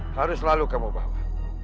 harus selalu kamu bawa